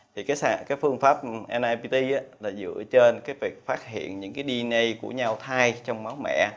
thì cái phương pháp nipt là dựa trên cái việc phát hiện những cái dnay của nhau thai trong máu mẹ